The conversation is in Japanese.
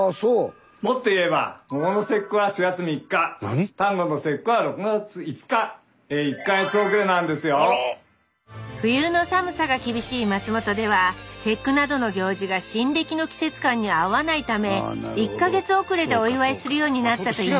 もっと言えば冬の寒さが厳しい松本では節句などの行事が新暦の季節感に合わないため１か月遅れでお祝いするようになったといいます